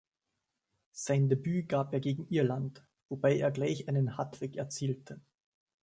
Sein Debüt gab er gegen Irland, wobei er gleich einen Hattrick erzielte.